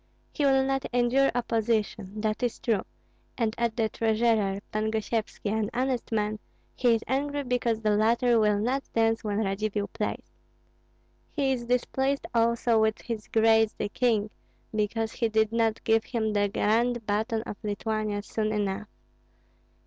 He will not endure opposition, that is true; and at the treasurer, Pan Gosyevski, an honest man, he is angry because the latter will not dance when Radzivill plays. He is displeased also with his Grace the king, because he did not give him the grand baton of Lithuania soon enough.